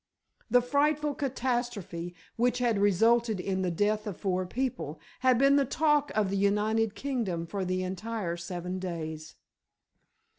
The frightful catastrophe which had resulted in the death of four people had been the talk of the United Kingdom for the entire seven days.